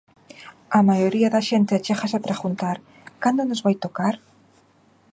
A maioría da xente achégase a preguntar: cando nos vaia tocar?